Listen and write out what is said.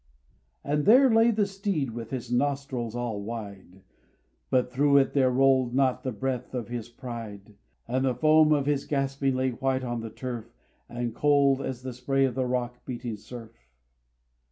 And there lay the steed with his nostrils all wide, But through it there rolled not the breath of his pride ; And the foam of his gasping lay white on the turf, And cold as the spray of the rock beating surf.